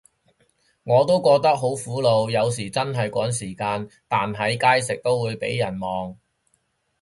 我都覺得好苦惱，有時真係趕時間，但喺街食都會被人望